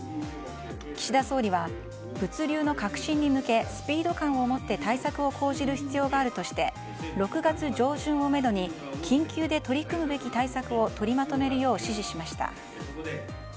岸田総理は、物流の革新に向けスピード感を持って対策を講じる必要があるとして６月上旬をめどに緊急で取り組むべき対策を取りまとめるよう指示しました。